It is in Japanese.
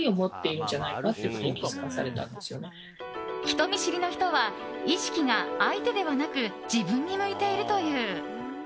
人見知りの人は意識が相手ではなく自分に向いているという。